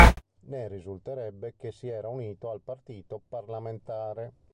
Ne risulterebbe che si era unito al partito parlamentare.